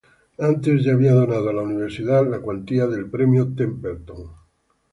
Antes ya había donado a la universidad la cuantía del Premio Templeton.